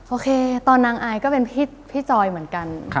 โอเคตอนนางอายก็เป็นพี่จอยเหมือนกัน